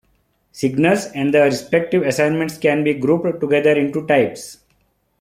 Signals and the respective assignments can be grouped together into types.